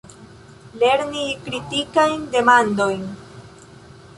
Lerni kritikajn demandojn.